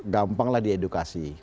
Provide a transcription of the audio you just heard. gampanglah di edukasi